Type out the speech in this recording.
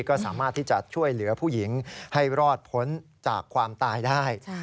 ก็สามารถที่จะช่วยเหลือผู้หญิงให้รอดพ้นจากความตายได้